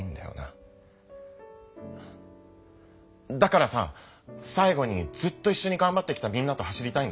だからさ最後にずっといっしょにがんばってきたみんなと走りたいんだ！